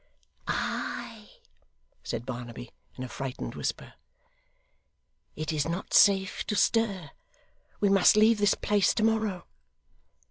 'Ay?' said Barnaby, in a frightened whisper. 'It is not safe to stir. We must leave this place to morrow.